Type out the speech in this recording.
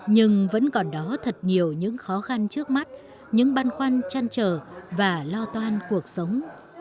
nhưng vẫn còn đó thật nhiều những khó khăn trước mắt những băn khoăn chăn trở và lo toan cuộc sống